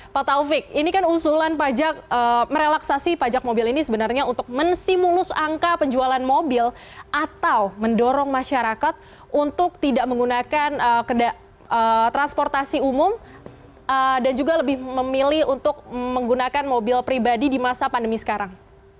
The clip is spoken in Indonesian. pak taufik ini kan usulan pajak merelaksasi pajak mobil ini sebenarnya untuk menstimulus angka penjualan mobil atau mendorong masyarakat untuk tidak menggunakan transportasi umum dan juga lebih memilih untuk menggunakan mobil pribadi di masa pandemi sekarang